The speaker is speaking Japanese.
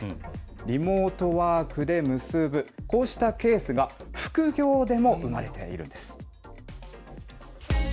リモートワークで結ぶ、こうしたケースが副業でも生まれているんです。